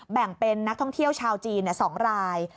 แบ่งเป็นนักท่องเที่ยวชาวจีน๒ราย